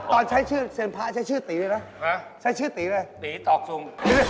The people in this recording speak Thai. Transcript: ตอนใช้เสียงพะใช้ชื่อตีได้ไหม